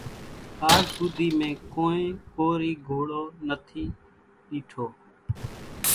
آز ۿوُڌِي مين ڪونئين ڪورِي گھوڙو نٿِي ڏيٺو۔